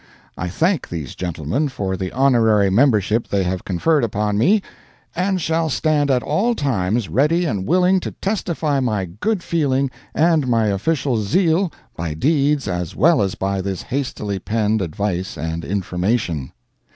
I thank these gentlemen for the honorary membership they have conferred upon me, and shall stand at all times ready and willing to testify my good feeling and my official zeal by deeds as well as by this hastily penned advice and information.